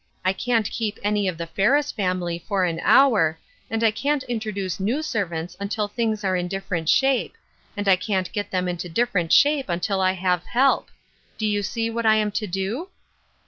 I can't keep any of the Ferris family for an hour, and I can't introduce new servants until things are in dif ferent shape, and I can't get them into different shape until I have help. Do you see what I am to do?"